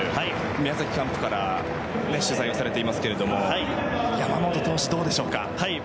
宮崎キャンプから取材をされていますが山本投手、どうでしょうか。